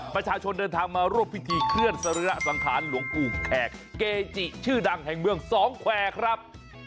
ประชาชนเดินทางมาร่วมพิธีเคลื่อนสรีระสังขารหลวงปู่แขกเกจิชื่อดังแห่งเมืองสองแควร์ครับ